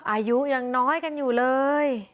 อายุยังน้อยกันอยู่เลย